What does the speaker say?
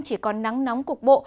chỉ có nắng nóng cục bộ